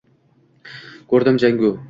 Ko’rdim jangu